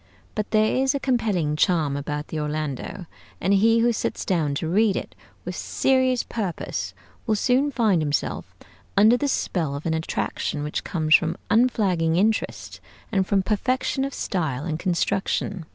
But there is a compelling charm about the 'Orlando,' and he who sits down to read it with serious purpose will soon find himself under the spell of an attraction which comes from unflagging interest and from perfection of style and construction.